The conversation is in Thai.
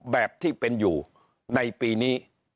แบบที่เป็นอยู่ในปีนี้